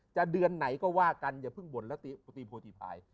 จะเดือนไหนก็ว่ากันไม่พึ่งบ่นและปฏิโผฏิภัย